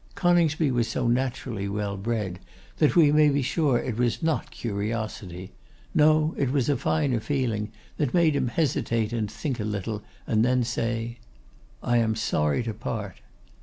Coningsby was so naturally well bred, that we may be sure it was not curiosity; no, it was a finer feeling that made him hesitate and think a little, and then say: 'I am sorry to part.